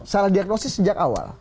salah diagnosis sejak awal